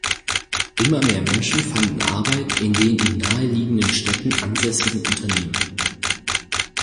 Immer mehr Menschen fanden Arbeit in den in naheliegenden Städten ansässigen Unternehmen.